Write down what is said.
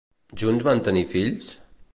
Junts van tenir fills?